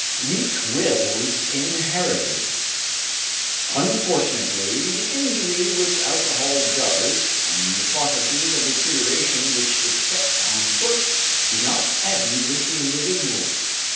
WEAK WILLS INHERITED Unfortunately, the injury which alcohol does, and the processes of deterioration which it sets on foot, do not end with the individual.